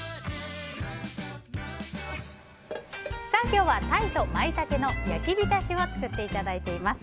今日は鯛とマイタケの焼きびたしを作っていただいています。